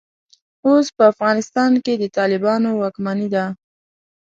اوس په افغانستان کې د طالبانو واکمني ده.